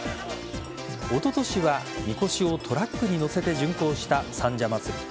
おととしはみこしをトラックに載せて巡行した三社祭。